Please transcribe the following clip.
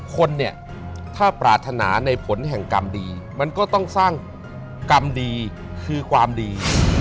คนเนี่ยถ้าปรารถนาในผลแห่งกรรมดีมันก็ต้องสร้างกรรมดีคือความดี